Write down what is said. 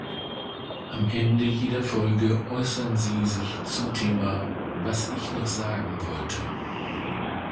Am Ende jeder Folge äußeren sie sich zum Thema „Was ich noch sagen wollte“.